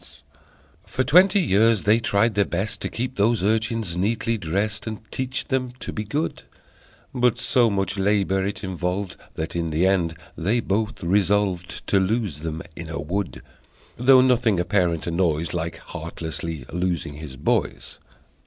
For twenty years they tried their best To keep those urchins neatly dressed And teach them to be good, But so much labor it involved That, in the end, they both resolved To lose them in a wood, Though nothing a parent annoys Like heartlessly losing his boys!